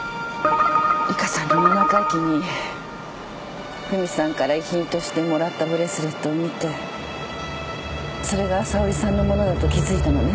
里香さんの七回忌にフミさんから遺品としてもらったブレスレットを見てそれが沙織さんの物だと気付いたのね。